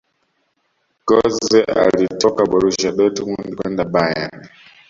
gotze alitoka borusia dortmund kwenda bayern